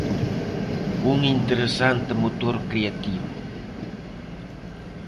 Un interesante motor creativo.